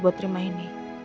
buat terima ini